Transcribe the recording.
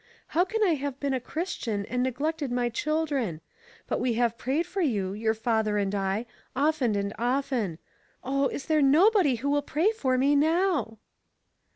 How can I have been a Christian and neglected my children ? But we have prayed for you, your father and I, often and often. Oh, is there nobody who will pray for me now